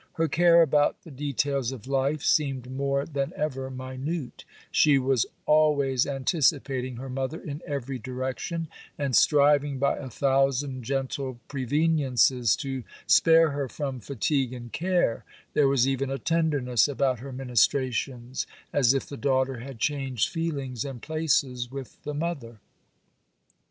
Her care about the details of life seemed more than ever minute; she was always anticipating her mother in every direction, and striving by a thousand gentle preveniences, to spare her from fatigue and care; there was even a tenderness about her ministrations, as if the daughter had changed feelings and places with the mother.